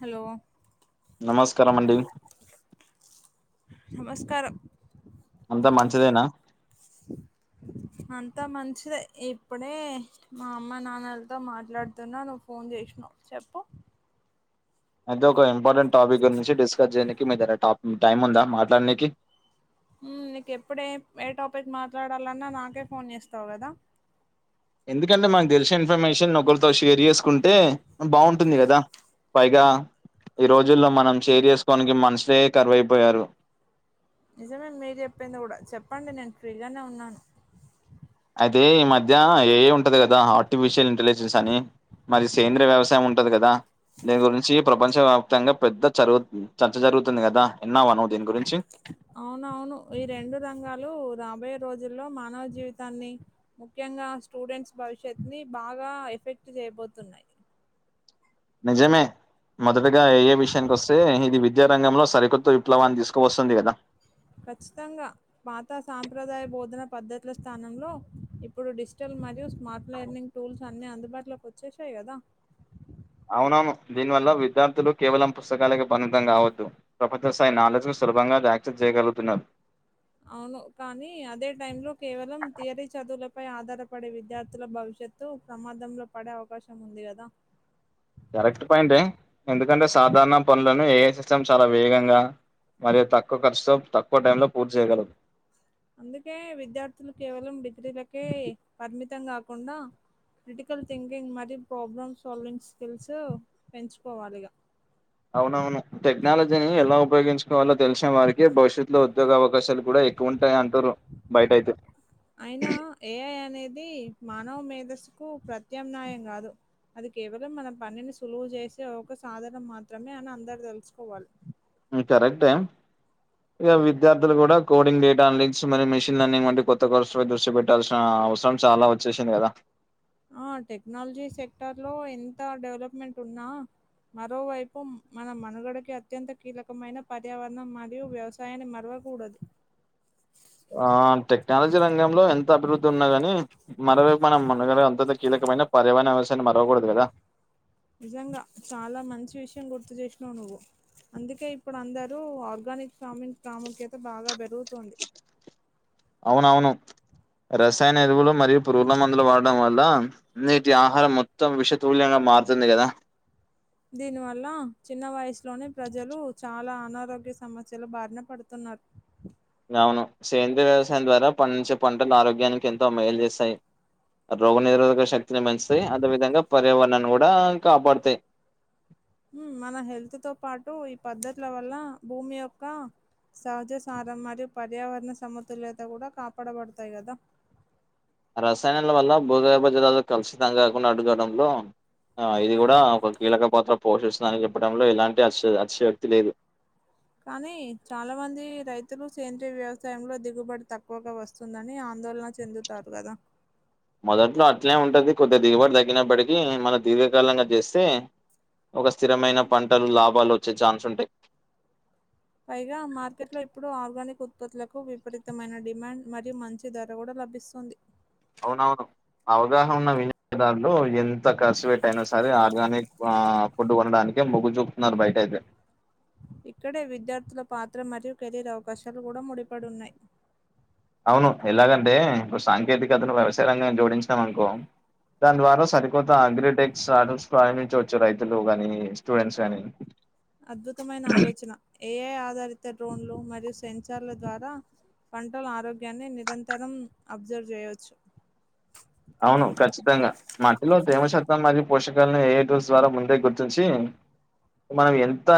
Hello నమస్కారమండి నమస్కారం అంతా మంచిదేనా అంతా మంచిదే ఇప్పుడే మా అమ్మ నాన్నలతో మాట్లాడుతున్నా నువ్వు ఫోన్ చేసినావు చెప్పు అయితే ఒక ఇంపార్టెంట్ టాపిక్ గురించి డిస్కస్ చేయడానికి మీ దగ్గర ట టైమ్ ఉందా మాట్లాడనీకి ఉమ్ నీకు ఎప్పుడ ఏ ఏ టాపిక్ మాట్లాడాలన్నా నాకే ఫోన్ చేస్తావు కదా ఎందుకంటే మాకు తెలిసిన ఇన్ఫర్మేషన్ ఒకల్తో షేర్ చేసుకుంటే బాగుంటుంది గదా పైగా ఈ రోజుల్లో మనం చేర్ చేసుకోడానికి మనుషులే కరువైపోయారు. నిజమే మీరు చెప్పింది గూడా చెప్పండి నేను ఫ్రీగానే ఉన్నాను. అది ఈ మధ్య ఏఐ ఉంటది కదా ఆర్టిఫిషియల్ ఇంటెలిజెన్స్ అని మరి సేంద్రీయ వ్యవసాయం ఉంటది గదా దీని గురించి ప్రపంచ వ్యాప్తంగా పెద్ద చరుగు చర్చ జరుగుతుంది కదా ఇన్నావా దీని గురించి అవునవును ఈ రెండు రంగాలు రాబోయే రోజుల్లో మానవ జీవితాన్ని ముఖ్యంగా స్టూడెంట్స్ భవిష్యత్తు ని బాగా ఎఫెక్ట్ చే చేబోతున్నాయి [inaudible] నిజమే మొదటగా ఏఐ విషయానికి వస్తే ఇది వి విద్యారంగంలో సరికొత్త విప్లవాన్ని తీసుకు వస్తుంది గదా ఖచ్చితంగా పాత సాంప్రదాయ బోధన పద్ధతుల స్థానంలో ఇప్పుడు డిజిటల్ మరియు స్మార్ట్ లెర్నింగ్ టూల్స్ అన్ని అందుబాటులోకి వచ్చేసాయి గదా [inaudible] అవునవును దీనివల్ల విద్యార్థులు కేవలం పుస్తకాలకే పరిమితం కావద్దు ప్రపంచ స్థాయి నాలెడ్జ్ సులభంగా యాక్సెస్ చేయగలుగుతున్నారు. అవును కానీ అదే టై లో కేవలం తియరీ చదువులపై ఆధారపడే విద్యార్థుల భవి ష్యత్తు ప్రమాదంలో పడే అవకాశం ఉంది గదా [inaudible] కరెక్ట్ పాయింటే ఎందుకంటే సాధారణ పనులను ఏఐ సిస్టమ్ చాలా వేగంగా మరి తక్కువ ఖర్చుతో తక్కువ టైం లో పూర్తి చేయగలదు. అందుకే విద్యార్థులు కేవలం డిగ్రీలకే పరిమితం గాకుండా క్రిటికల్ థింకింగ్ మరియు ప్రాబ్లమ్ సాల్వింగ్ స్కిల్స్ పెంచుకోవాలి ఇగా అవునవును టెక్నాలజీని ఎలా ఉపయోగించుకోవాలో తెలిసిన వారికి భవిష్యత్తులో ఉద్యోగ అవకాశాలు గూడా ఎక్కువ ఉంటాయి అంటురు బయట అయితే ది మానవ మేధస్సుకు ప్రత్యామ్నాయం గాదు అది కేవలం మన పనిని సులువు చేసే ఒక సాధనం మాత్రమే అని అందరు దెలుసుకోవాలి. ఉమ్ కరెక్టే ఇగ విద్యార్థులు కూడా కోడింగ్ డేటా అ లింగ్క్స్ మరియు మెషిన్ లర్నింగ్ వంటి కొత్త కోర్సు మీద దృష్టి పెట్టాల్సిన అవసరం చాలా వచ్చేసింది గదా ఆ టెక్నాలజీ సెక్టర్ లో ఎంత డెవలప్మెంట్ ఉన్నా మరోవైపు మన మనుగడకి అత్యంత కీలకమైన పర్యావరణం మరియు వ్యవసాయాన్ని మరవ కూడదు [inaudible] ఆ టెక్నాలజీ రంగంలో ఎంత అభివృద్ధి ఉన్నా గాని మరోవైపు మనం మనుగడ అంత కీలక మైన పర్యావరణ అవశాన్ని మరవకూడదు గదా నిజంగా చాలా మంచి విషయం గుర్తు చేసినావు నువ్వు. అందుకే ఇప్పుడు అందరూ ఆర్గానిక్ ఫార్మింగ్ ప్రాముఖ్యత బాగా బెరుగుతోంది. అవునవును రసాయన ఎరువులు మరియు పురుగుల మందులు వాడడం వల్ల నేటి ఆహారం మొత్తం విషతుల్యంగా మారుతుంది కదా దీని వల్ల చిన్న వయసులోనే ప్రజలు చాలా అనారోగ్య సమస్యలు బారిన పడుతున్నారు ఉ [unintelligible] అవును సేంద్రయ వ్యవసాయం ద్వారా పండించే పంటలు ఆరోగ్యానికి ఎంతో మేలు చేస్తాయి రోగ నిరోధక శక్తి పేంచుతాయి అదేవిధంగా పర్యావరణన్ని కూడా కాపాడతాయి ఉం మన హెల్త్ తో పాటు ఈ పద్ధతుల వల్ల భూమి యొక్క సహజ సారం మరియు పర్యావరణ సమతుల్యత కూడా కాపాడబడతాయి కదా రసాయనాల వల్ల భూగర్భ జలాలు కలుషితం కాకుండా అడ్డుకోవడంలో ఆ ఇది కూడా ఒక కీలక పాత్ర పోషిస్తుందని చెప్పడంలో ఎలాంటి అ అతి అతిశయోక్తి లేదు కానీ చాలా మంది రైతులు సేంద్రీయ వ్యవసాయంలో దిగుబడి తక్కువగా వస్తుందని ఆ ఆందోళన చెందుతారుగదా మొదట్లో అట్లే ఉంటది కొద్ది దిగుబడి తగ్గనప్పటికీ మనం దీర్ఘకాలంగా చేస్తే ఒక స్థిరమైన పంటలు లాభాలు వచ్చే ఛాన్స్ ఉంటాయి పైగా మార్కెట్ లో ఇప్పుడు ఆర్గానిక్ ఉత్పత్తులకు విపరీతమైన డిమాండ్ మరియు మంచి ధర కూడా లభిస్తుంది అవునవును అవగాహన ఉన్న వినియోదారులు ఎంత ఖర్చు పెట్టయినా సరే ఆర్గానిక్ ఆ ఫుడ్ కొనడానికి కే మొగ్గు జుపుతున్నరు బయట అయితే ఇక్కడే విద్యార్థుల పాత్ర మరియు కెరీర్ అవకాశాలు కూడా ముడిపడున్నాయి అవును ఎలాగంటే ఇప్పుడు సాంకేతికతను వ్యవసాయ రంగానికి జోడించినాం అనుకో దాని ద్వారా సరికొత్త అగ్రిటెక్ స్టార్టప్స్ ప్రారంభించవచ్చు రైతులు గాని స్టూడెంట్స్ గాని అద్భుతమైన ఆలోచన ఏఐ ఆధారిత డ్రోన్లు మరియు సెన్సర్ల ద్వారా పంటలు ఆరోగ్యాన్ని నిరంతరం అబ్జర్వ్ చేయవచ్చు ప్రేమ చతం మరియు పోషకాలని ఏ ఐ టూల్స్ ద్వారా ముందే గుర్తించి మనం ఎంత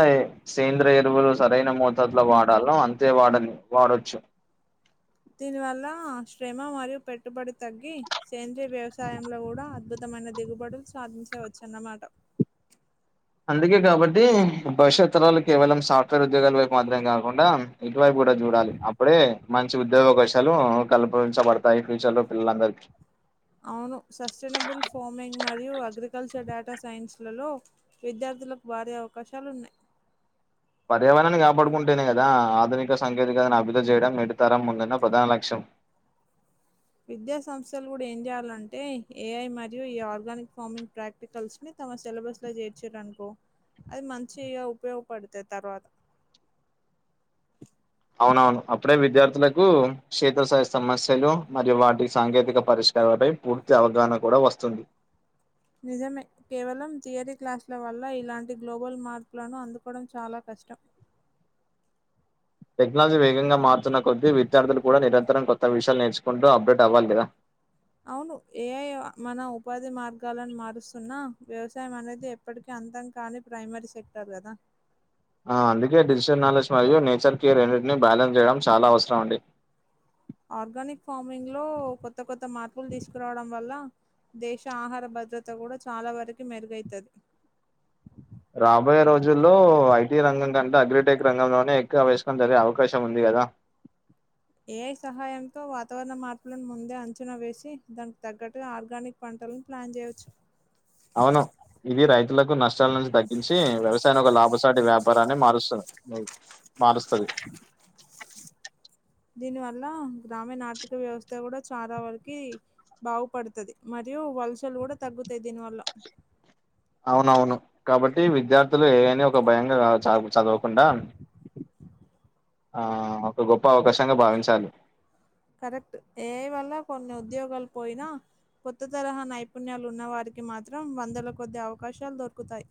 సేంద్రియ ఎరువులు సరైన మోతాదులో వాడాల్ నో అంతే వాడలి వాడొచ్చు దీని వల్ల శ్రమ మరియు పెట్టుబడి తగ్గి సేంద్రీయ వ్యవసాయంలో కూడా అద్భుతం మైన దిగుబడులు సాధించవచ్చు అన్నమాట అందుకే కాబట్టి భవిష్యత్ తరాలు కేవలం సాఫ్ట్వేర్ ఉద్యోగాల వైపు మాత్రమే కాకుండా ఇటువైపు కూడ చూడాలి అప్పుడే మంచి ఉద్యోగ అవ కాశాలు కల్పించబడతాయి ఫ్యూచర్ లో పిల్ల లందరికి అవును సస్టైనబుల్ ఫార్మింగ్ మరియు అగ్రికల్చర్ డేటా సైన్స్లలో విద్యార్ధి లకు భారీ అవకాశాలు ఉన్నాయి పర్యావరణాన్ని కాపాడుకుంటేనే కదా ఆధునిక సాంకేతికతను అభివృద్ధి చేయడం నేటితరం ముందన్న ప్రధాన లక్ష్యం విద్యా సంస్థలు కూడా ఏం చేయాలంటే ఏఐ మరియు ఈ ఆర్గానిక్ ఫార్మింగ్ ప్రాక్టికల్స్ ని తమ సిలబస్ లో చేర్చారనుకో అది మంచిగా ఉపయోగపడుతది తర్వాత అవునవును అప్పుడే విద్యార్థులకు క్షేత్ర స్థాయి సమస్యలు మరియు వాటి సాంకేతిక పరి లపై పూర్తి అవగాహన కూడా వస్తుంది నిజమే కేవలం థియరీ క్లాస్ల వల్ల ఇలాంటి గ్లోబల్ మార్కులను అందుకోవడం చాలా క కష్టం టెక్నాలజీ వేగంగా మారుతున్న కొద్ది విద్యార్థులు కూడా నిర నిరంతరం కొత్త విషయాలు నేర్చుకుంటూ అప్డేట్వ్వాలి కదా అవును ఏఐ మన ఉపాధి మార్గాలను మారుస్తున్నా వ్యవసాయం అనేది ఎప్పటికీ అంతం కాని ప్రైమరీ సెక్టర్ కదా ఆ అందుకే డిజిటల్ నాలెడ్జ్ మరియు నేచర్ కేర్ రెండిటిని బ్యాలెన్స్ చేయడం చాలా అవసరం అండి ఆర్గానిక్ ఫార్మింగ్ లో కొత్త కొత్త మార్పులు తీసుకురావడం వల్ల దేశ ఆహార భద్రత కూడా చాలా వరకు మెరుగైతది రాబోయే రోజుల్లో ఐ టీ రంగం కంటే అగ్రిటెక్ రంగంలోనే ఎక్కువ [unintelligible] జరిగే అవకాశం ఉంది కదా ఏ ఐ సహాయంతో వాతావరణ మార్పులను ముందే అంచనా వేసి దానికి తగ్గట్టుగా ఆర్గానిక్ పం టాలని ప్లాన్ చేయొచ్చు అవును ఇది రైతులకు నష్టాల నుంచి తగ్గించి వ్యవసాయాన్ని ఒక లాభసాటి వ్యాపారాన్ని మారుస్తుంది మారుస్తది దీని వల్ల గ్రామీణ ఆర్థిక వ్యవస్థ కూడా చాలా వరకి బాగుపడుతది మరి రియూ వలసలు కూడా తగ్గుతాయి దీని వల్ల అవునవును కాబట్టి విద్యార్థులు ఏవైనా ఒక భయంగా [unintelligible] చదవకుండా ఆ ఒక గొప్ప అవకాశంగా భావించాలి కరెక్ట్ ఏ ఐ వల్ల కొన్ని ఉద్యోగాలు పోయినా కొత్త తరహా నైపుణ్యాలు ఉన్నవారికి మాత్రం వందల కొద్దీ అవకాశాలు దొరుకుతాయి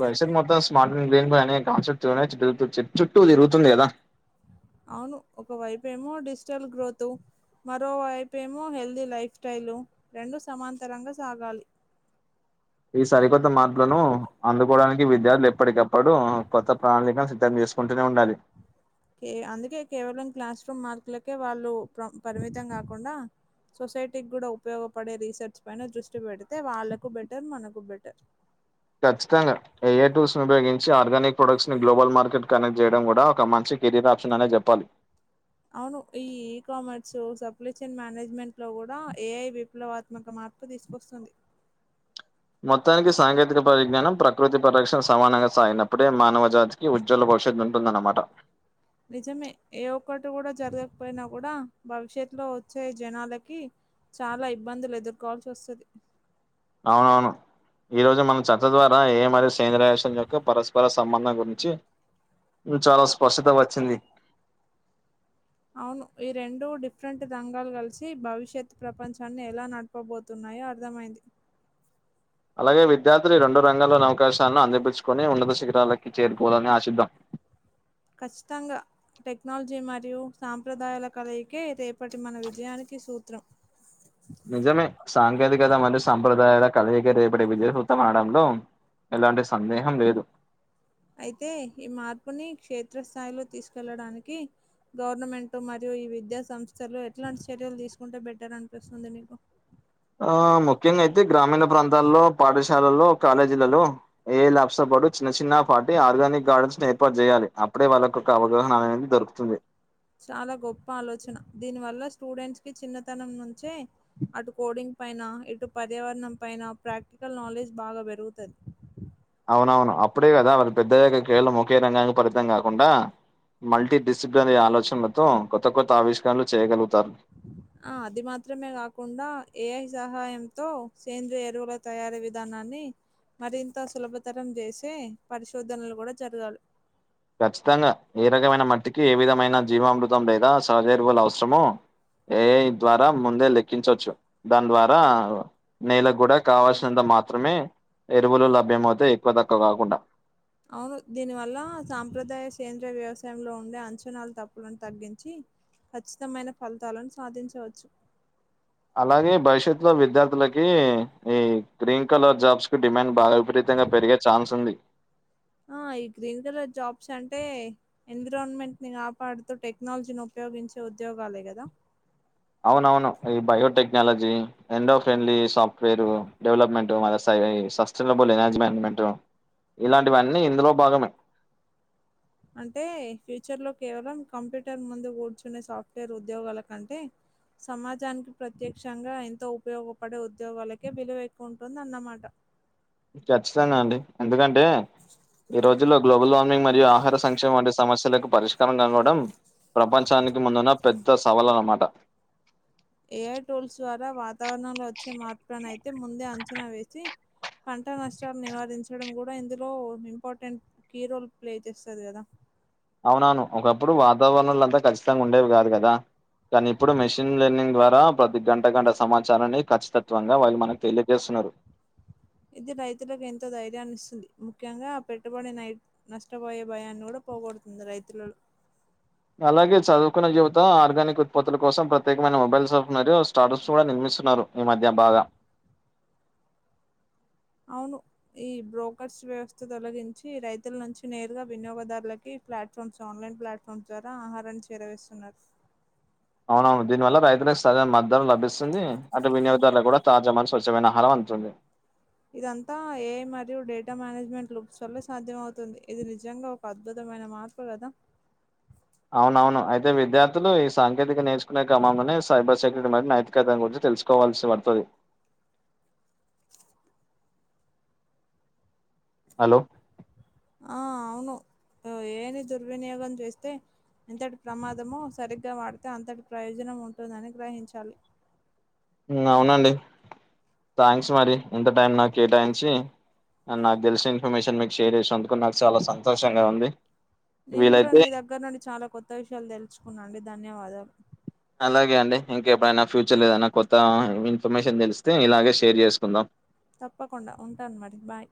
బైసెట్ మొత్తం స్మార్ట్ అండ్ గ్రీన్ బై అనే కాన్సెప్ట్ [unintelligible] చుట్టూ తిరుగుతుంది కదా అవును ఒక వైపు ఏమో డిజిటల్ గ్రోతు మరోవైపు ఏమో హెల్తీ లైఫ్ స్టైల్ రెండూ సమాంతరంగా సాగాలి ఈ సరికొత్త మాటలను అందుకోవడాని కి విద్యార్థులు ఎప్పటికప్పుడు కొత్త ప్రణాళికను సిద్ధం చేసుకుంటూనే ఉండాలి కే అందుకే కేవలం క్లాస్ రూమ్ మార్కులకే వాళ్ళు ప్ర పరిమితం కాకుండా సొసైటీకి కూడా ఉపయోగపడే రీసెర్చ్ పైన దృష్టి పెడితే వాళ్ళకూ బెటర్ మనకు బెటర్ ఖచ్చితంగా ఏ ఐ టూర్స్ ని ఉపయోగించి ఆర్గానిక్ ప్రొడక్ట్స్ ని గ్లోబల్ మార్కెట్ కనెక్ట్ చేయడం కూడా ఒక మంచి కెరీర్ ఆప్షన్ అనే చెప్పాలి అవును ఈ ఈ కామర్స్ సప్లైచన్ మేనేజ్మెంట్ లో కూడా ఏ ఐ విప్లవాత్మక మా మార్పు తీసుకొస్తుంది మొత్తానికి సాంకేతిక పరిజ్ఞానం ప్రకృతి పరిరక్షణ సమానంగా సాగినప్పుడే మానవజాతికి ఉజ్వల భవిష్యత్తు ఉంటుందన్నమాట నిజమే ఏ ఒక్కటి కూడా జరగకపోయినా కూడా భవిష్యత్లో వచ్చే జనాలకి చాలా ఇబ్బందులు ఎదుర్కోవాల్సి వస్తది అవునవును ఈ రోజు మన చెత్త ద్వారా ఏ మరియు సేంద్ర వ్యవస్థ యొక్క పరస్పర సంబంధం గురించి చాలా స్పష్టత వచ్చింది అవును ఈ రెండు డిఫరెంట్ రంగాలు కలిసి భవిష్యత్ ప్రపంచాన్ని ఎలా నడపబోతున్నా యో అర్థమైంది అలాగే విద్యార్థులు రొండు రంగాల్లోని అవకాశాలను అందిపించుకొని ఉన్నత శిఖరాలకి చేరుకోదని ఆశిద్దం కచ్చితంగా టెక్నాలజీ మరియు సాంప్రదాయాల కలయికే రేపటి మన విజయానికి సూత్రం నిజమే సాంకేతికత మరియు సాంప్రదాయ కలయిక రేపటి విజయసూత్రం అనడంలో ఎలాంటి సందేహం లేదు అయితే ఈ మార్పుని క్షేత్రస్థాయిలో తీసుకెళ్లడానికి గవర్నమెంట్ మరియు ఈ విద్యా సంస్థలు ఎట్లాంటి చర్యలు తీసుకుంటే బెటర్ అనిపిస్తుంది మీకు ఆ ముఖ్యంగా అయితే గ్రామీణ ప్రాంతాల్లో పాఠశాలలో కాలేజీలలో ఏ ల్యాబ్స్టాప్ డు చిన్న చిన్న పాటి ఆర్గానిక్ గార్డెన్స్ ను ఏర్పాటు చేయాలి అప్పుడే వాళ్ళకొక అవగాహన అనేది దొరుకుతుంది చాలా ఈ చిన్నతనం నుంచే అటు కోడింగ్ పైన ఇటు పర్యావరణం పైన ప్రాక్టికల్ నాలెడ్జ్ బాగా పెరుగుతుంది అవునవును అప్పుడే కదా వాళ్ళ పెద్ద దయ్యాక కేవలం ఒకే రంగానికి పరిమితం కాకుండా మల్టీ డిస్సిప్లినరీ ఆలోచనలతో కొత్త కొత్త ఆవిష్కరణలు చేయగలుగుతారు ఆ అది మాత్రమే కాకుండా ఏఐ సహాయంతో సేంద్రీయ ఎరువుల తయారీ విధానాన్ని మరింత సులభతరం చేసి పరిశోధనలు కూడా జరగాలి ఖచ్చితంగా ఏ రకమైన మట్టికి ఏ విధమైన జీవామృతం లేదా సహజరువుల అవసరము ఏఐ ద్వారా ముందే లెక్కించవచ్చు దాని ద్వారా నేలకు కూడా కావాల్సినంత మాత్రమే ఎరువులు లభ్యమవుతే ఎక్కువ తక్కువ కాకుండా అవును దీని వల్ల సాంప్రదాయ సేంద్రయ వ్యవసాయంలో ఉండే అంచనలు తప్పులను తగ్గించి ఖచ్చితమైన ఫలితాలను సాధించవచ్చు అలాగే భవిష్యత్ లో విద్యార్థులకి ఈ గ్రీన్ కలర్ జాబ్స్ కి డిమాండ్ బాగా విపరీత గా పెరిగే ఛాన్స్ ఉంది ఆ ఈ గ్రీన్ కలర్ జాబ్స్ అంటే ఎన్విరాన్మెంట్ ని కాపాడుతూ టెక్నాలజీని ఉపయోగించేవచ్చ ఉద్యోగాలే కదా అవున అవును ఈ బయోటెక్నాలజీ ఎండో ఫ్రెండ్లీ సాఫ్ట్వేరు డెవలప్మెంట్ మన సై సస్టనబుల్ ఎనజీ మజమెంట్ ఇలాంటివన్నీ ఇందులో భాగమే అంటే ఫ్యూచర్ లో కేవలం కంప్యూటర్ ముందు కూర్చునే సాఫ్ట్వేర్ ఉద్యోగాల కంటే సమాజానికి ప్రత్యక్షంగా ఎంతో ఉపయోగపడే ఉద్యోగాలకే విలువ ఎక్కువ ఉంటుంద అన్నమాట ఖచ్చితంగా అండి ఎందుకంటే ఈ రోజుల్లో గ్లోబల్ వార్మింగ్ మరియు ఆహార సంక్షేమ వంటి సమస్యలకు పరిష్కారం కానివడం ప్రపంచానికి ముందున్న పెద్ద సవాలున్నమాట ఏఐ టూల్స్ ద్వారా వాతావరణంలో వచ్చే మార్పులలను అయితే ముందే అంచనా వేసి పంట నష్టాలు నివారించడం కూడా ఇందులో ఇంపార్టెంట్ కీ రోల్ ప్లే చేస్తుంది కదా వాతావరణాలు అంతా ఖచ్చితంగా ఉండేవి కాదు కదా కానీ ఇప్పుడు మెషన్ లెర్నింగ్ ద్వారా ప్రతి గంట గంట సమాచారాన్ని ఖచ్చితత్వంగా వాళ్ళు మనకి తెలియజేస్తున్నారు ఇది రైతులకు ఎంతో ధైర్యాన్ని ఇస్తుంది ముఖ్యంగా ఆ పెట్టుబడి న నష్టపోయే భయాన్ని కూడా పోగోడుతుంది రైతులు అలాగే చదువుకున్న జీవితం ఆర్గానిక్ ఉత్పత్తుల కోసం ప్రత్యేకమైన మొబైల్స్న్నారు స్టార్టప్స్ కూడా నిర్ స్తున్నారు ఈ మధ్య బాగా అవును ఈ బ్రోకర్స్ వ్యవస్థ తొలగించి రైతుల నుంచి నేరుగా వినియోగదారులకి ప్లాట్ఫామ్స్ ఆన్లైన్ ప్లాట్ఫామ్స్ ద్వారా ఆహారా చేరవేస్తున్నారు అవునవును దీనివల్ల రైతులకు సరైన మద్దరం లభిస్తుంది అటు వినియోగదారులకు కూడా తాజామని స్వచ్ఛమైన ఆహారం అందుతుంది ఇదంతా ఏఐ మరియు డేటా మేనేజ్మెంట్ లుప్స్ వల్ సాధ్యం అవుతుంది ఇది నిజంగా ఒక అద్భుతం మైన మార్పు కదా అవున అవును అయితే విద్యార్థులు ఈ సాంకేతిక నేర్చుకునే క్రమంలోనే సైబర్ సెక్యూరిటీ మరి నైతికత గురి తెలుసుకోవాల్సి పడుతుంది హలో ఆ అవును ఏఐ దుర్వినియోగం చేస్తే ఇంతటి ప్రమాదము సరిగ్గా వాడితే అంతటి ప్రయోజనం ఉంటుందని గ్రహించాలి అవునండి థ్యాంక్స్ మరి ఇంత టైం నాకు కేటాయించి నాకు తెలిసిన ఇన్ఫర్మేషన్ మీకు షేర్ చేసిన అందుకు నాకు చాలా సంతోషంగా ఉంది నేను కూడా వీలైతే నీ దగ్గర నుండి చాలా కొత్త విషయాలు తెలుసుకున్నాండి ధన్యవాదాలు అలాగే అండి ఇంకెప్పుడైనా ఫ్యూచర్ లో ఏదైనా కొత్త ఇన్ఫర్మేషన్ తెలిస్తే ఇలాగే షేర్ చేసుకుందాం తప్పకుండా ఉంటాను మరి బాయ్